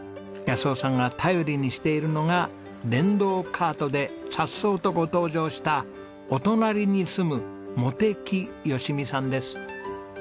夫さんが頼りにしているのが電動カートで颯爽とご登場したお隣に住む茂木好美さんです。